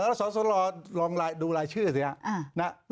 แล้วสสรดูรายชื่อสินะ